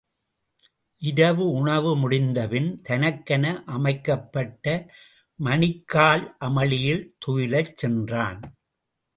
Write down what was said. இரவு உணவு முடிந்தபின் தனக்கென அமைக்கப்பட்ட மணிக்கால் அமளியில் துயிலச் சென்றான்.